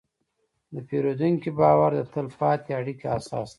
د پیرودونکي باور د تل پاتې اړیکې اساس دی.